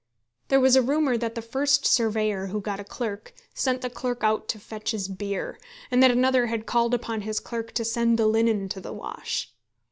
There was a rumour that the first surveyor who got a clerk sent the clerk out to fetch his beer; and that another had called upon his clerk to send the linen to the wash.